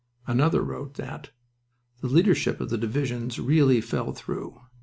Another wrote that: "The leadership of the divisions really fell through.